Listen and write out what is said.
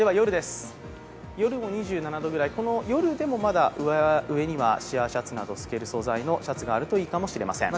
夜も２７度くらい、上にまだ、シアーシャツなど透ける素材のシャツがあるといいかもしれません。